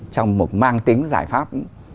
trong một mang tính giải pháp